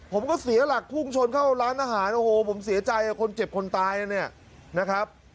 ผมก็เสียหลักพุ่งชนเข้าร้านอาหารโอ้โหผมเสียใจคนเจ็บคนตายนะเนี่ยนะครับ